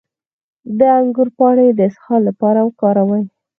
د انګور پاڼې د اسهال لپاره وکاروئ